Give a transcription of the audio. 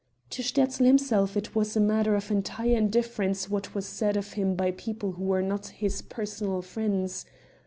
To Sterzl himself it was a matter of entire indifference what was said of him by people who were not his personal friends.